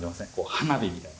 花火みたいな。